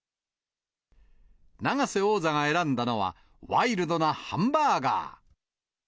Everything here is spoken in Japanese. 永瀬王座が選んだのは、ワイルドなハンバーガー。